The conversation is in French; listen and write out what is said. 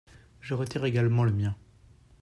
Je retire également le mien.